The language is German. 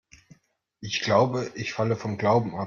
Ich glaube, ich falle vom Glauben ab.